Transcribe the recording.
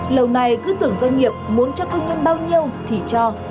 đầu này cứ tưởng doanh nghiệp muốn cho công nhân bao nhiêu thì cho